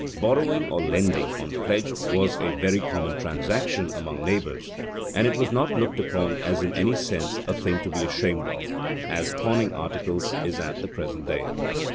Borrowing or lending, on pledge, was a very common transaction among neighbours; and it was not looked upon as in any sense a thing to be ashamed of, as pawning articles is at the present day.